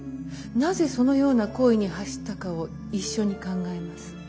なぜそのような行為に走ったかを一緒に考えます。